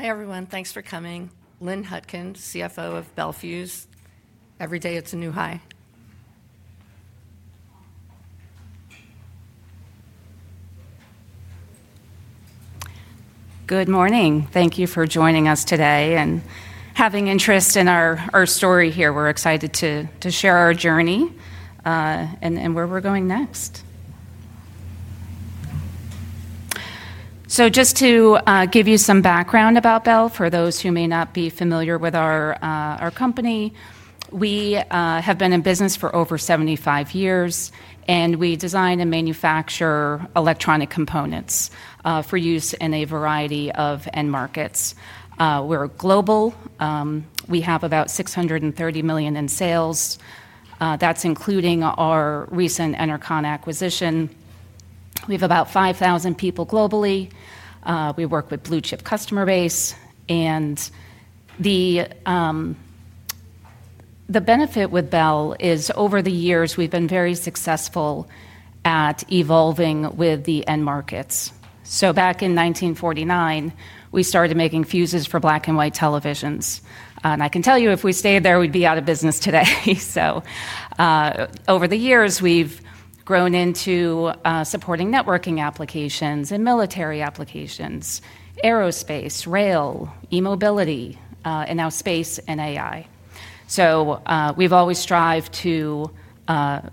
Hi everyone, thanks for coming. Lynn Hutkin, CFO of Bel Fuse. Every day it's a new high. Good morning. Thank you for joining us today and having interest in our story here. We're excited to share our journey and where we're going next. Just to give you some background about Bel, for those who may not be familiar with our company, we have been in business for over 75 years, and we design and manufacture electronic components for use in a variety of end markets. We're global. We have about $630 million in sales. That's including our recent Enercon acquisition. We have about 5,000 people globally. We work with a blue-chip customer base. The benefit with Bel is, over the years, we've been very successful at evolving with the end markets. Back in 1949, we started making fuses for black and white televisions. I can tell you, if we stayed there, we'd be out of business today. Over the years, we've grown into supporting networking applications and military applications, aerospace, rail, e-mobility, and now space and AI. We've always strived to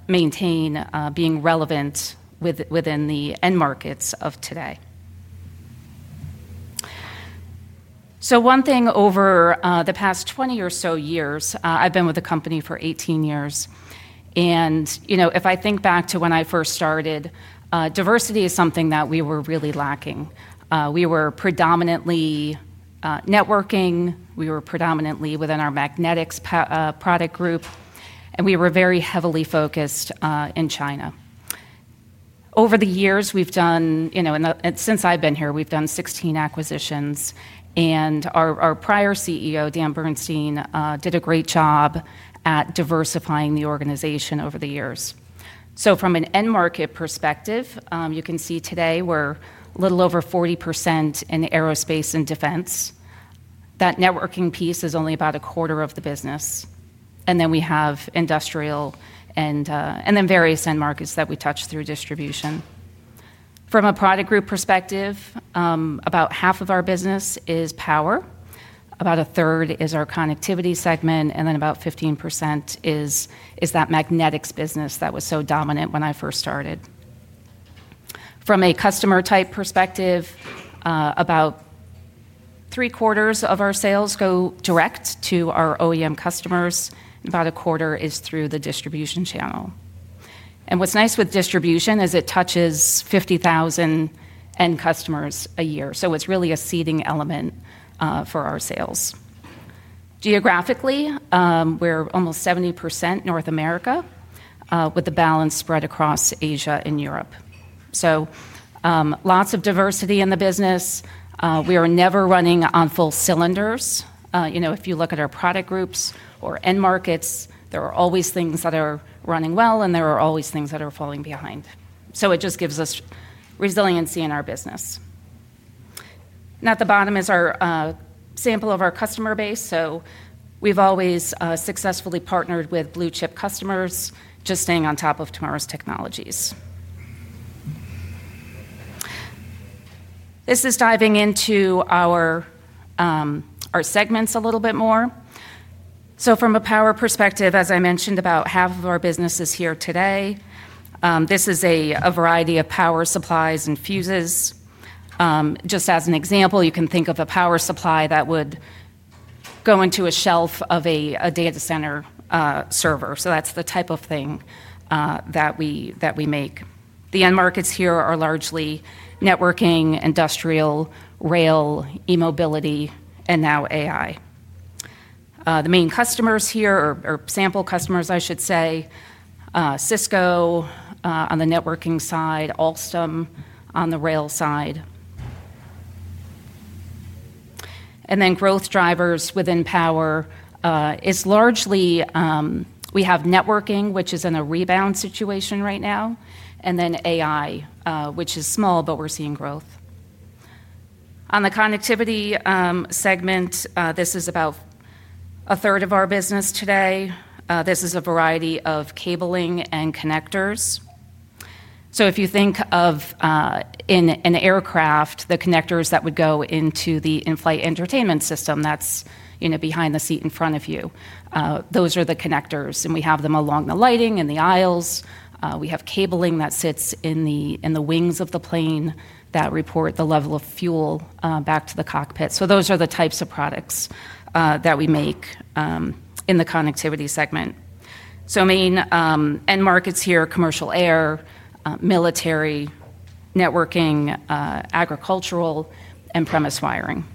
maintain being relevant within the end markets of today. One thing, over the past 20 or so years, I've been with the company for 18 years. If I think back to when I first started, diversity is something that we were really lacking. We were predominantly networking. We were predominantly within our Magnetics product group. We were very heavily focused in China. Over the years, since I've been here, we've done 16 acquisitions. Our prior CEO, Dan Bernstein, did a great job at diversifying the organization over the years. From an end market perspective, you can see today we're a little over 40% in aerospace and defense. That networking piece is only about a quarter of the business. We have industrial and then various end markets that we touch through distribution. From a product group perspective, about half of our business is Power. About 1/3 is our Connectivity segment. About 15% is that Magnetics business that was so dominant when I first started. From a customer type perspective, about 3/4 of our sales go direct to our OEM customers. About 1/4 is through the distribution channel. What's nice with distribution is it touches 50,000 end customers a year. It's really a seeding element for our sales. Geographically, we're almost 70% North America, with the balance spread across Asia and Europe. Lots of diversity in the business. We are never running on full cylinders. If you look at our product groups or end markets, there are always things that are running well, and there are always things that are falling behind. It just gives us resiliency in our business. At the bottom is our sample of our customer base. We've always successfully partnered with blue-chip customers, just staying on top of tomorrow's technologies. This is diving into our segments a little bit more. From a power perspective, as I mentioned, about half of our business is here today. This is a variety of power supplies and fuses. Just as an example, you can think of a power supply that would go into a shelf of a data center server. That's the type of thing that we make. The end markets here are largely networking, industrial, rail, e-mobility, and now AI. The main customers here are sample customers, I should say, Cisco on the networking side, Alstom on the rail side. Growth drivers within power are largely, we have networking, which is in a rebound situation right now, and then AI, which is small, but we're seeing growth. On the connectivity segment, this is about a third of our business today. This is a variety of cabling and connectors. If you think of an aircraft, the connectors that would go into the in-flight entertainment system, that's behind the seat in front of you. Those are the connectors. We have them along the lighting and the aisles. We have cabling that sits in the wings of the plane that report the level of fuel back to the cockpit. Those are the types of products that we make in the connectivity segment. Main end markets here are commercial air, military, networking, agricultural, and premise wiring.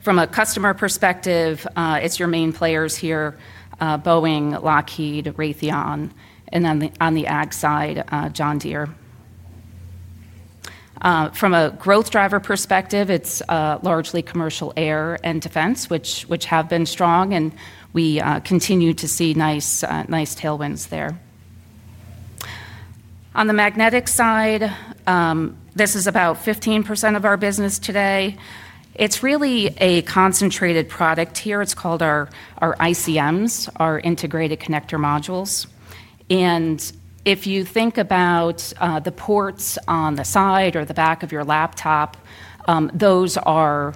From a customer perspective, it's your main players here: Boeing, Lockheed, Raytheon. On the ag side, John Deere. From a growth driver perspective, it's largely commercial air and defense, which have been strong. We continue to see nice tailwinds there. On the magnetic side, this is about 15% of our business today. It's really a concentrated product here. It's called our ICMs, our Integrated Connector Modules. If you think about the ports on the side or the back of your laptop, those are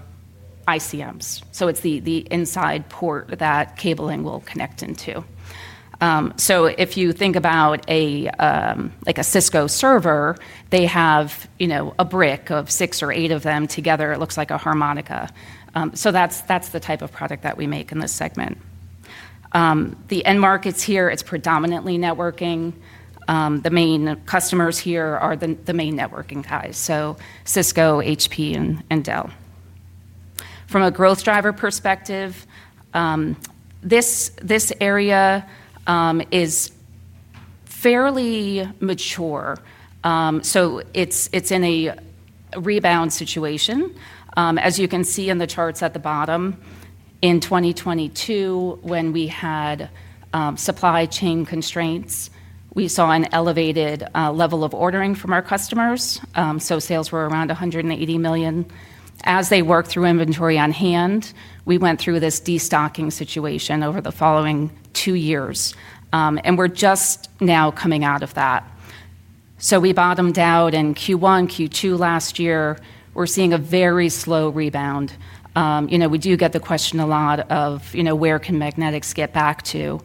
ICMs. It's the inside port that cabling will connect into. If you think about a Cisco server, they have a brick of six or eight of them together. It looks like a harmonica. That's the type of product that we make in this segment. The end markets here, it's predominantly networking. The main customers here are the main networking guys, so Cisco, HP, and Dell. From a growth driver perspective, this area is fairly mature. It's in a rebound situation. As you can see in the charts at the bottom, in 2022, when we had supply chain constraints, we saw an elevated level of ordering from our customers. Sales were around $180 million. As they worked through inventory on hand, we went through this destocking situation over the following two years. We're just now coming out of that. We bottomed out in Q1, Q2 last year. We're seeing a very slow rebound. We do get the question a lot of, you know, where can magnetics get back to?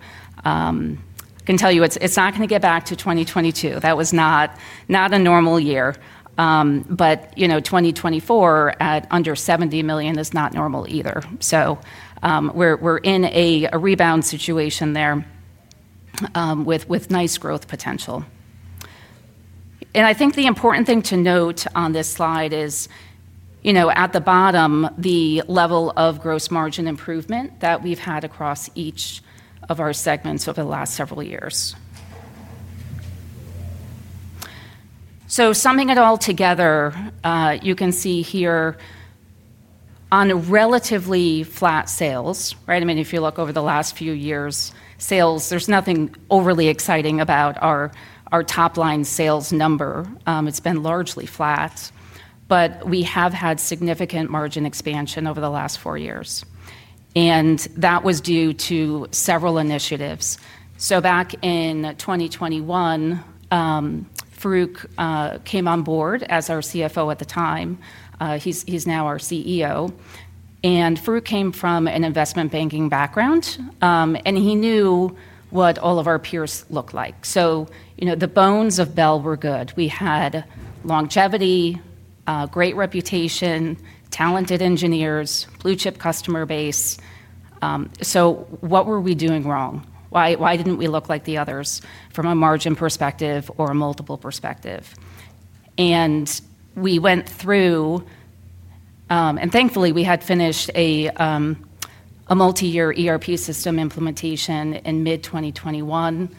I can tell you it's not going to get back to 2022. That was not a normal year. 2024 at under $70 million is not normal either. We're in a rebound situation there with nice growth potential. I think the important thing to note on this slide is, at the bottom, the level of gross margin improvement that we've had across each of our segments over the last several years. Summing it all together, you can see here on relatively flat sales, right? If you look over the last few years, sales, there's nothing overly exciting about our top line sales number. It's been largely flat. We have had significant margin expansion over the last four years. That was due to several initiatives. Back in 2021, Farouq came on board as our CFO at the time. He's now our CEO. Farouq came from an investment banking background. He knew what all of our peers looked like. The bones of Bel were good. We had longevity, great reputation, talented engineers, blue-chip customer base. What were we doing wrong? Why didn't we look like the others from a margin perspective or a multiple perspective? We went through, and thankfully, we had finished a multi-year ERP system implementation in mid-2021.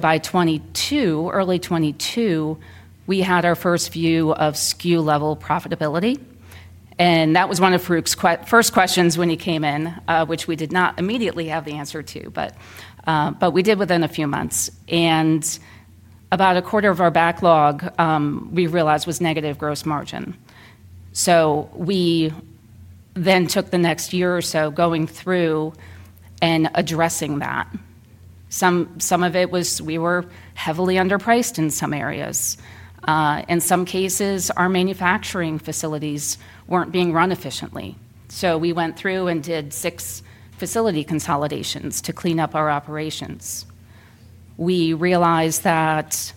By 2022, early 2022, we had our first view of SKU-level profitability. That was one of Farouq's first questions when he came in, which we did not immediately have the answer to, but we did within a few months. About a quarter of our backlog, we realized, was negative gross margin. We then took the next year or so going through and addressing that. Some of it was we were heavily underpriced in some areas. In some cases, our manufacturing facilities weren't being run efficiently. We went through and did six facility consolidations to clean up our operations. We realized that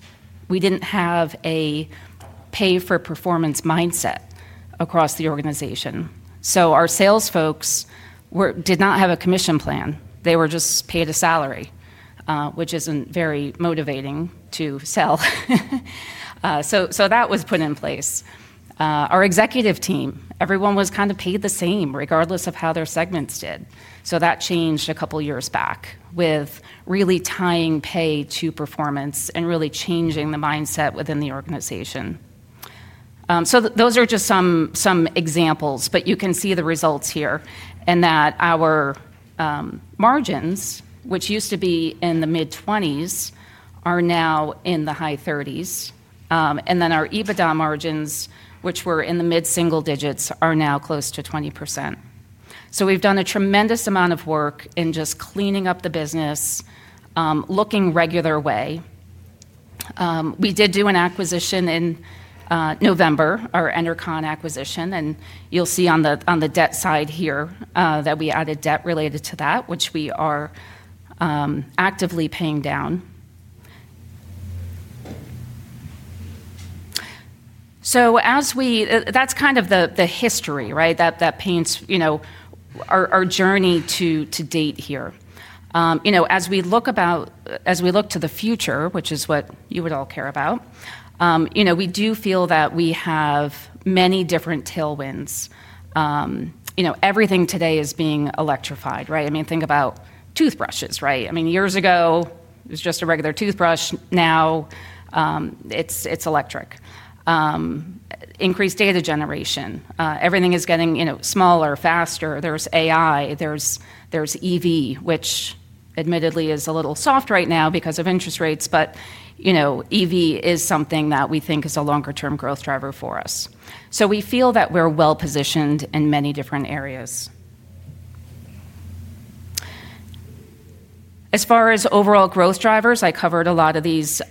we didn't have a pay-for-performance mindset across the organization. Our sales folks did not have a commission plan. They were just paid a salary, which isn't very motivating to sell. That was put in place. Our executive team, everyone was kind of paid the same regardless of how their segments did. That changed a couple of years back with really tying pay to performance and really changing the mindset within the organization. Those are just some examples, but you can see the results here in that our margins, which used to be in the mid-20s, are now in the high 30s. Our EBITDA margins, which were in the mid single-digits, are now close to 20%. We've done a tremendous amount of work in just cleaning up the business, looking a regular way. We did do an acquisition in November, our Enercon acquisition. You'll see on the debt side here that we added debt related to that, which we are actively paying down. That's kind of the history, right? That paints our journey to date here. As we look to the future, which is what you would all care about, we do feel that we have many different tailwinds. Everything today is being electrified, right? Think about toothbrushes, right? Years ago, it was just a regular toothbrush. Now, it's electric. Increased data generation. Everything is getting smaller, faster. There's AI. There's EV, which admittedly is a little soft right now because of interest rates. EV is something that we think is a longer-term growth driver for us. We feel that we're well-positioned in many different areas. As far as overall growth drivers, I covered a lot of these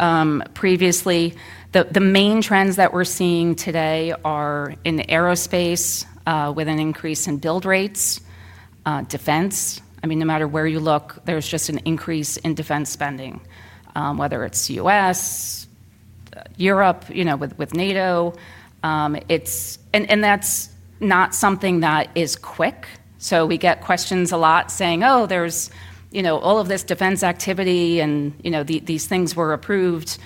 previously. The main trends that we're seeing today are in the aerospace, with an increase in build rates. Defense, no matter where you look, there's just an increase in defense spending, whether it's the U.S., Europe, with NATO. That's not something that is quick. We get questions a lot saying, oh, there's all of this defense activity and these things were approved.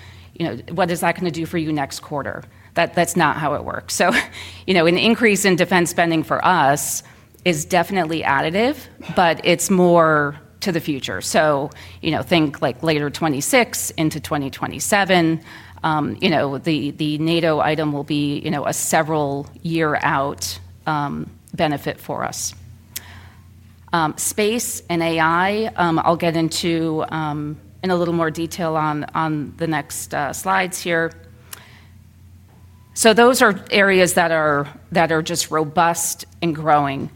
What is that going to do for you next quarter? That's not how it works. An increase in defense spending for us is definitely additive, but it's more to the future. Think like later 2026 into 2027. The NATO item will be a several-year-out benefit for us. Space and AI, I'll get into in a little more detail on the next slides here. Those are areas that are just robust and growing.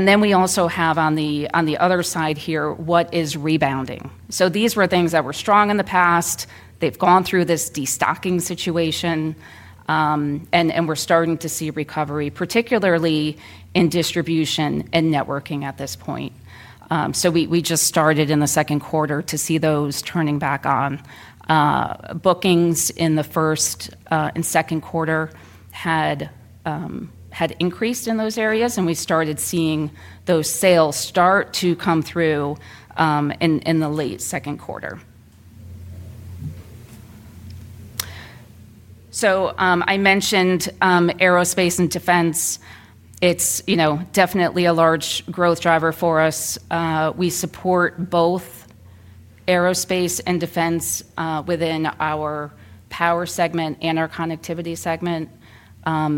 We also have on the other side here, what is rebounding. These were things that were strong in the past. They've gone through this destocking situation, and we're starting to see recovery, particularly in distribution and networking at this point. We just started in the second quarter to see those turning back on. Bookings in the first and second quarter had increased in those areas, and we started seeing those sales start to come through in the late second quarter. I mentioned aerospace and defense. It's definitely a large growth driver for us. We support both aerospace and defense within our Power segment and our Connectivity segment.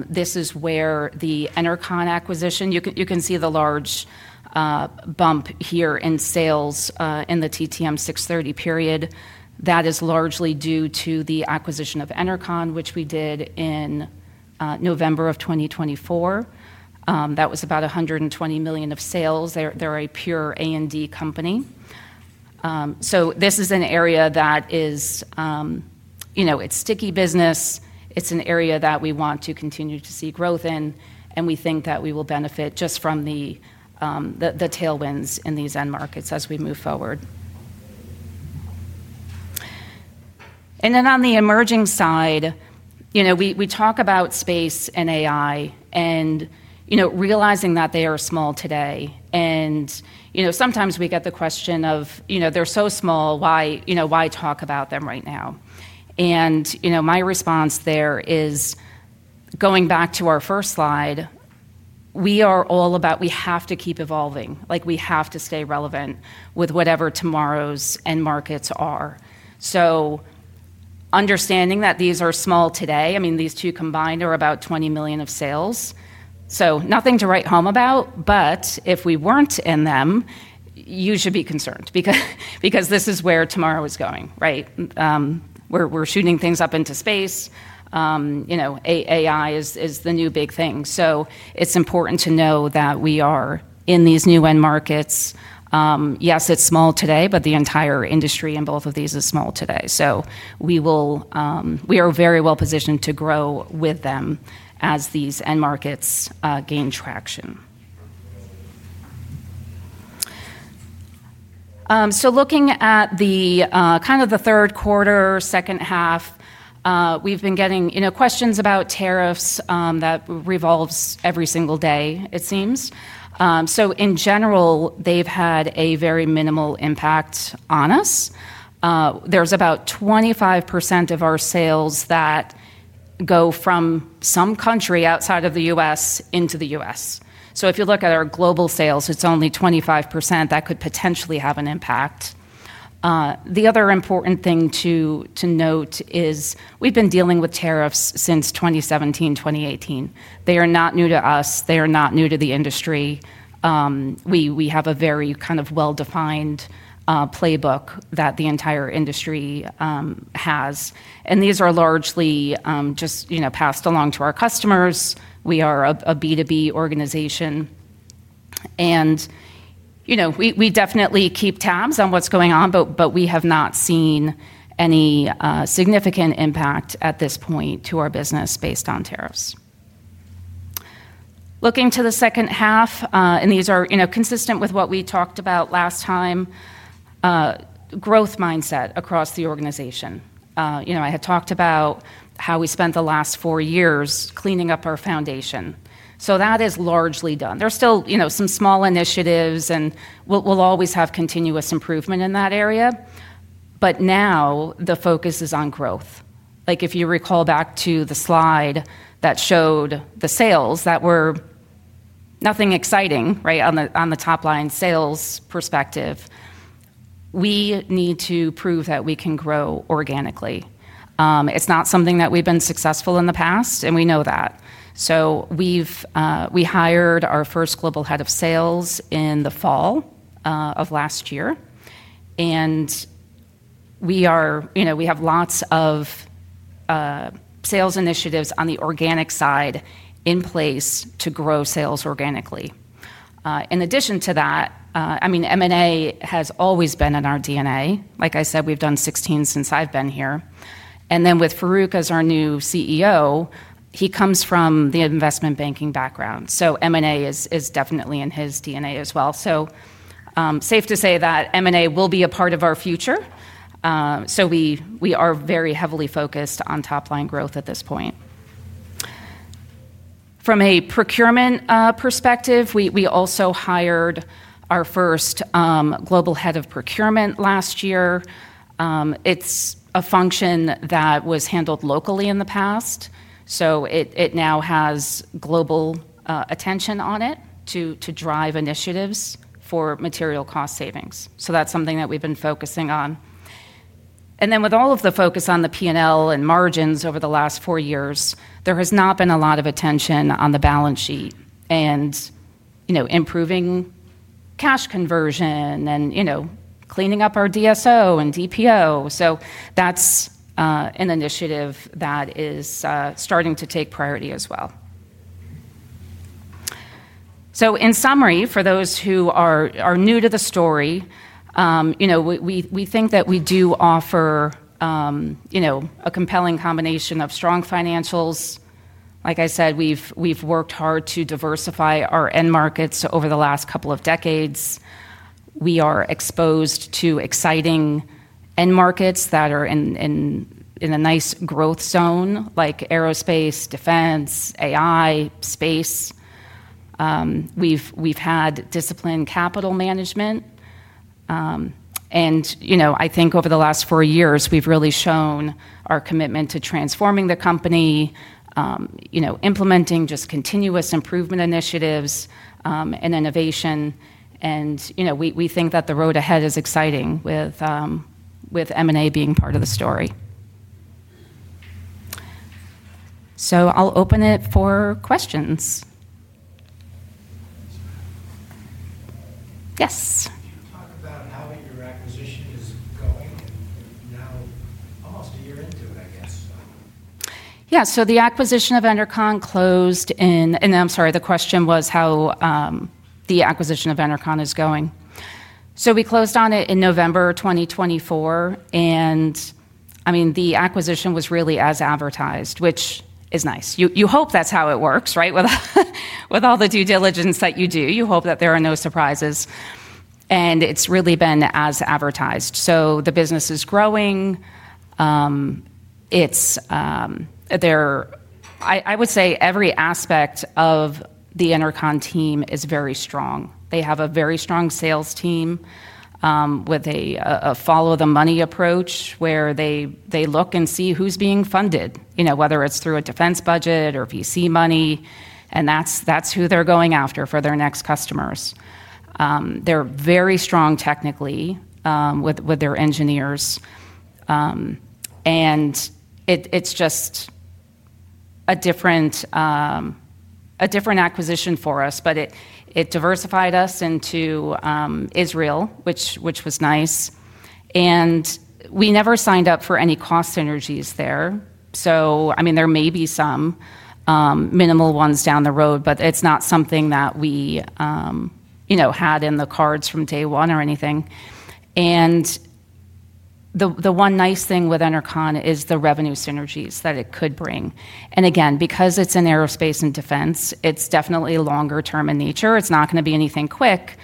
This is where the Enercon acquisition, you can see the large bump here in sales in the TTM 6/30 period. That is largely due to the acquisition of Enercon, which we did in November of 2024. That was about $120 million of sales. They're a pure A&D company. This is an area that is sticky business. It's an area that we want to continue to see growth in, and we think that we will benefit just from the tailwinds in these end markets as we move forward. On the emerging side, we talk about space and AI and realizing that they are small today. Sometimes we get the question of, they're so small, why talk about them right now? My response there is going back to our first slide, we are all about, we have to keep evolving. We have to stay relevant with whatever tomorrow's end markets are. Understanding that these are small today, these two combined are about $20 million of sales. Nothing to write home about, but if we weren't in them, you should be concerned because this is where tomorrow is going, right? We're shooting things up into space. AI is the new big thing. It's important to know that we are in these new end markets. Yes, it's small today, but the entire industry in both of these is small today. We are very well positioned to grow with them as these end markets gain traction. Looking at the third quarter, second half, we've been getting questions about tariffs that revolve every single day, it seems. In general, they've had a very minimal impact on us. There's about 25% of our sales that go from some country outside of the U.S. into the U.S. If you look at our global sales, it's only 25% that could potentially have an impact. The other important thing to note is we've been dealing with tariffs since 2017, 2018. They are not new to us. They are not new to the industry. We have a very well-defined playbook that the entire industry has. These are largely just passed along to our customers. We are a B2B organization. We definitely keep tabs on what's going on, but we have not seen any significant impact at this point to our business based on tariffs. Looking to the second half, and these are consistent with what we talked about last time, growth mindset across the organization. I had talked about how we spent the last four years cleaning up our foundation. That is largely done. There's still some small initiatives, and we'll always have continuous improvement in that area. Now the focus is on growth. If you recall back to the slide that showed the sales that were nothing exciting, right, on the top line sales perspective, we need to prove that we can grow organically. It's not something that we've been successful in the past, and we know that. We hired our first Global Head of Sales in the fall of last year. We have lots of sales initiatives on the organic side in place to grow sales organically. In addition to that, M&A has always been in our DNA. Like I said, we've done 16 since I've been here. With Farouq as our new CEO, he comes from the investment banking background. M&A is definitely in his DNA as well. It is safe to say that M&A will be a part of our future. We are very heavily focused on top line growth at this point. From a procurement perspective, we also hired our first Global Head of Procurement last year. It's a function that was handled locally in the past. It now has global attention on it to drive initiatives for material cost savings. That's something that we've been focusing on. With all of the focus on the P&L and margins over the last four years, there has not been a lot of attention on the balance sheet and improving cash conversion and cleaning up our DSO and DPO. That is an initiative that is starting to take priority as well. In summary, for those who are new to the story, we think that we do offer a compelling combination of strong financials. Like I said, we've worked hard to diversify our end markets over the last couple of decades. We are exposed to exciting end markets that are in a nice growth zone, like aerospace, defense, AI, and space. We've had disciplined capital management. I think over the last four years, we've really shown our commitment to transforming the company, implementing continuous improvement initiatives and innovation. We think that the road ahead is exciting with M&A being part of the story. I'll open it for questions. Yes. How about how your acquisition is going now? Yeah, so the acquisition of Enercon closed in, and I'm sorry, the question was how the acquisition of Enercon is going. We closed on it in November 2024. I mean, the acquisition was really as advertised, which is nice. You hope that's how it works, right? With all the due diligence that you do, you hope that there are no surprises. It's really been as advertised. The business is growing. I would say every aspect of the Enercon team is very strong. They have a very strong sales team with a follow-the-money approach where they look and see who's being funded, you know, whether it's through a defense budget or VC money. That's who they're going after for their next customers. They're very strong technically with their engineers. It's just a different acquisition for us, but it diversified us into Israel, which was nice. We never signed up for any cost synergies there. There may be some minimal ones down the road, but it's not something that we had in the cards from day one or anything. The one nice thing with Enercon is the revenue synergies that it could bring. Again, because it's in aerospace and defense, it's definitely longer-term in nature. It's not going to be anything quick.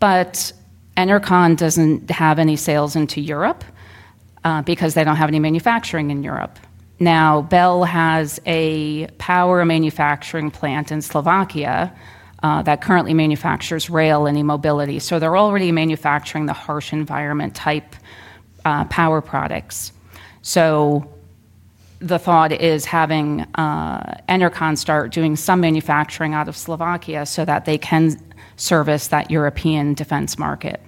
Enercon doesn't have any sales into Europe because they don't have any manufacturing in Europe. Now, Bel has a power manufacturing plant in Slovakia that currently manufactures rail and e-mobility. They're already manufacturing the harsh environment type power products. The thought is having Enercon start doing some manufacturing out of Slovakia so that they can service that European defense market.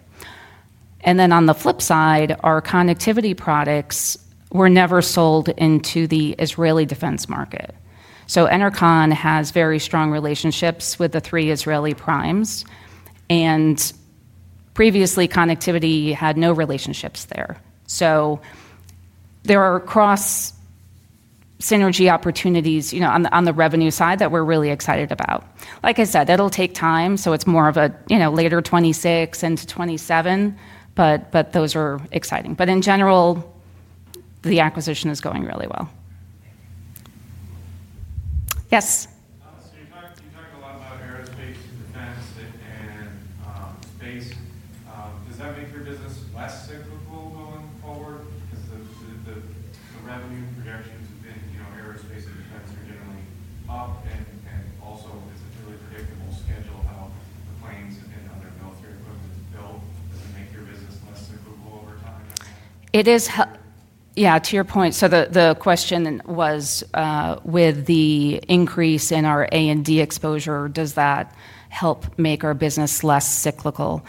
On the flip side, our connectivity products were never sold into the Israeli defense market. Enercon has very strong relationships with the three Israeli primes. Previously, Connectivity had no relationships there. There are cross-synergy opportunities, you know, on the revenue side that we're really excited about. Like I said, it'll take time. It's more of a, you know, later 2026 into 2027, but those are exciting. In general, the acquisition is going really well. Yes. Does that make your business less cyclical going forward? Because the revenue projections have been, you know, aerospace that we've had to begin only up. Is it really great that we'll schedule how the planes? It is, yeah, to your point. The question was, with the increase in our A&D exposure, does that help make our business less cyclical?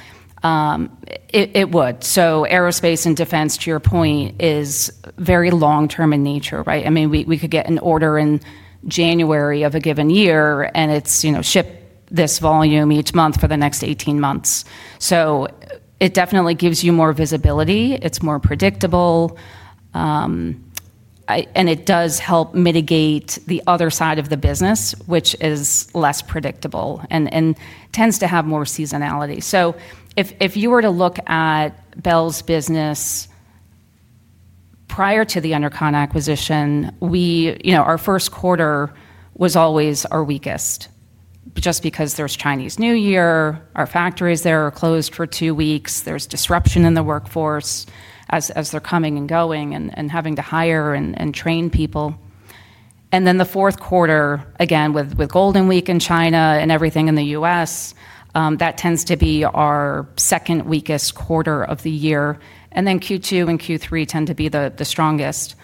It would. Aerospace and defense, to your point, is very long-term in nature, right? I mean, we could get an order in January of a given year, and it's, you know, ship this volume each month for the next 18 months. It definitely gives you more visibility. It's more predictable. It does help mitigate the other side of the business, which is less predictable and tends to have more seasonality. If you were to look at Bel's business prior to the Enercon acquisition, our first quarter was always our weakest, just because there's Chinese New Year. Our factories there are closed for two weeks. There's disruption in the workforce as they're coming and going and having to hire and train people. The fourth quarter, again, with Golden Week in China and everything in the U.S., that tends to be our second weakest quarter of the year. Q2 and Q3 tend to be the strongest.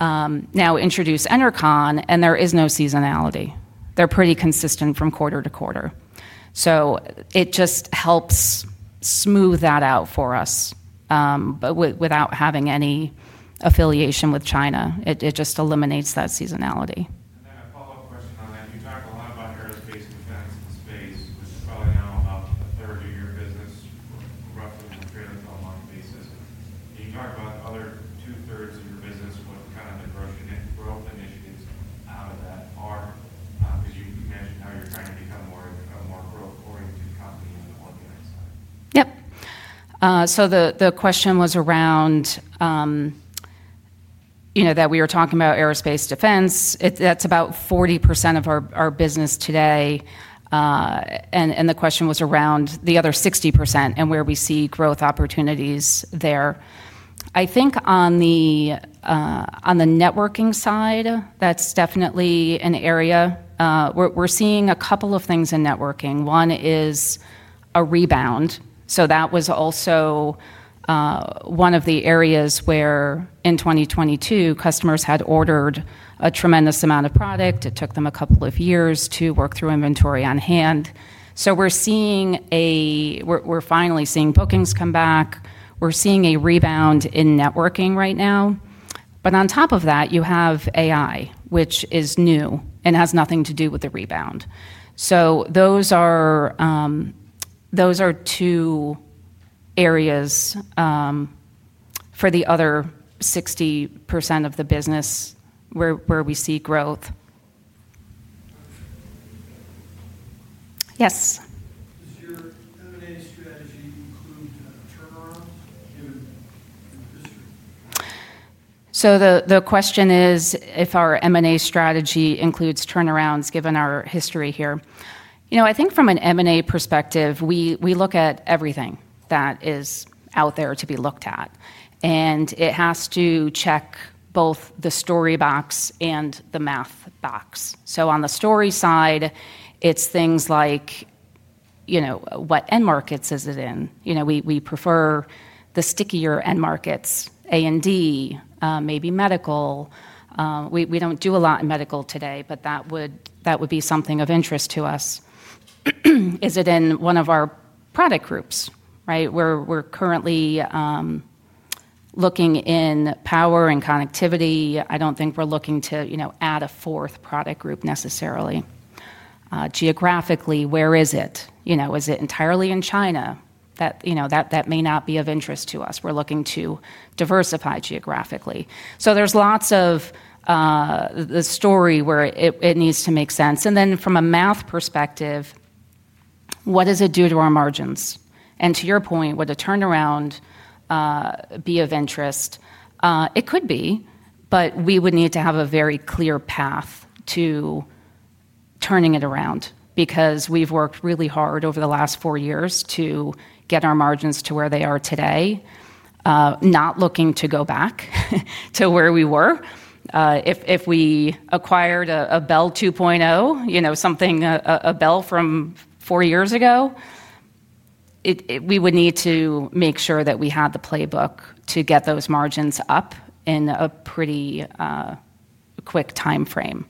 Now, introduce Enercon, and there is no seasonality. They're pretty consistent from quarter to quarter. It just helps smooth that out for us, but without having any affiliation with China, it just eliminates that seasonality. Your facts in space, which is probably now about 1/3 of your business, roughly on a fair and ongoing basis. You talked about other 2/3 of your business, what kind of growth initiatives out of that are? Yep. The question was around, you know, that we were talking about aerospace defense. That's about 40% of our business today. The question was around the other 60% and where we see growth opportunities there. I think on the networking side, that's definitely an area. We're seeing a couple of things in networking. One is a rebound. That was also one of the areas where in 2022, customers had ordered a tremendous amount of product. It took them a couple of years to work through inventory on hand. We're finally seeing bookings come back. We're seeing a rebound in networking right now. On top of that, you have AI, which is new and has nothing to do with the rebound. Those are two areas for the other 60% of the business where we see growth. Yes. The question is if our M&A strategy includes turnarounds, given our history here. From an M&A perspective, we look at everything that is out there to be looked at. It has to check both the story box and the math box. On the story side, it's things like, you know, what end markets is it in? We prefer the stickier end markets, A&D, maybe medical. We don't do a lot in medical today, but that would be something of interest to us. Is it in one of our product groups, right? We're currently looking in power and connectivity. I don't think we're looking to add a fourth product group necessarily. Geographically, where is it? Is it entirely in China? That may not be of interest to us. We're looking to diversify geographically. There's lots of the story where it needs to make sense. From a math perspective, what does it do to our margins? To your point, would a turnaround be of interest? It could be, but we would need to have a very clear path to turning it around because we've worked really hard over the last four years to get our margins to where they are today, not looking to go back to where we were. If we acquired a Bel 2.0, you know, something a Bel from four years ago, we would need to make sure that we had the playbook to get those margins up in a pretty quick timeframe.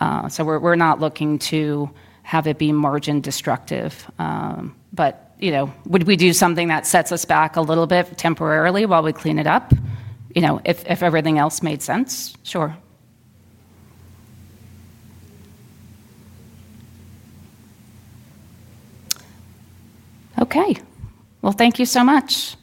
We're not looking to have it be margin destructive. Would we do something that sets us back a little bit temporarily while we clean it up, if everything else made sense? Sure. Thank you so much.